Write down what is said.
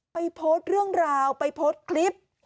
โพสต์เรื่องราวไปโพสต์คลิป